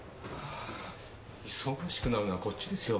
忙しくなるのはこっちですよ。